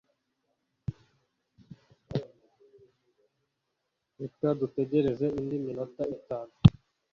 Reka dutegereze indi minota itanu